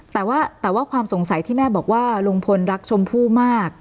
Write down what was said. แต่ว่าแต่ว่าความสงสัยที่แม่บอกว่าลุงพลรักชมพู่มาก